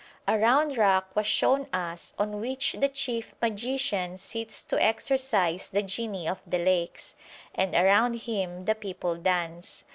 A round rock was shown us on which the chief magician sits to exorcise the jinni of the lakes, and around him the people dance.